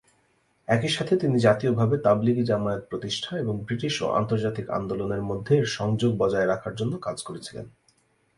একই সাথে তিনি জাতীয়ভাবে তাবলিগী জামায়াত প্রতিষ্ঠা এবং ব্রিটিশ ও আন্তর্জাতিক আন্দোলনের মধ্যে এর সংযোগ বজায় রাখার জন্য কাজ করেছিলেন।